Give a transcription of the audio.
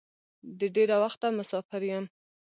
د ډېره وخته مسافر یم.